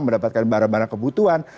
mendapatkan barang barang kebutuhan